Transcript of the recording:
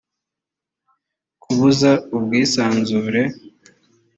kubuza ubwisanzure